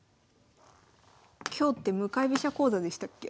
今日って向かい飛車講座でしたっけ？